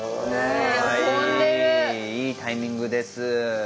いいタイミングです。